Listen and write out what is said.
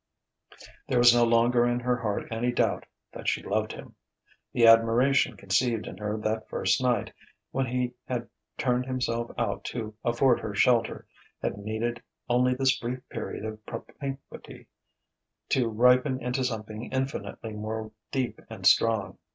There was no longer in her heart any doubt that she loved him. The admiration conceived in her that first night, when he had turned himself out to afford her shelter, had needed only this brief period of propinquity to ripen into something infinitely more deep and strong.